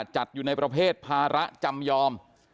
จัดอยู่ในประเภทภาระจำยอม